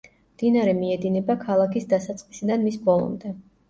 მდინარე მიედინება ქალაქის დასაწყისიდან მის ბოლომდე.